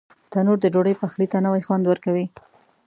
تنور د ډوډۍ پخلي ته نوی خوند ورکوي